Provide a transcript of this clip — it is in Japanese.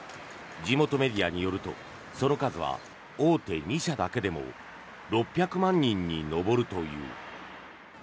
地元メディアによるとその数は大手２社だけでも６００万人に上るという。